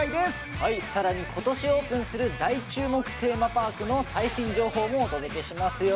はいさらに今年オープンする大注目テーマパークの最新情報もお届けしますよ